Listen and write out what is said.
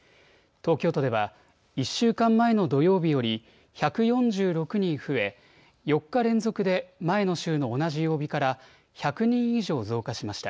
東京都では１週間前の土曜日より１４６人増え、４日連続で前の週の同じ曜日から１００人以上増加しました。